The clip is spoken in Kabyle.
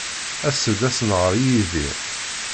As-d ad as-nɣer i Yidir.